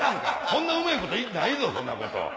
こんなうまいことないぞそんなこと。